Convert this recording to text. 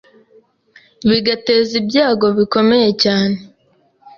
bigateza ibyago bikomeye cyane